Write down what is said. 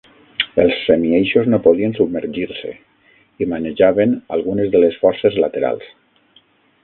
Els semi-eixos no podien submergir-se i manejaven algunes de les forces laterals.